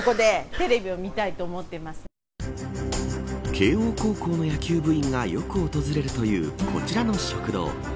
慶応高校の野球部員がよく訪れるというこちらの食堂。